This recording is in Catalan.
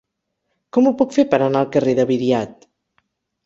Com ho puc fer per anar al carrer de Viriat?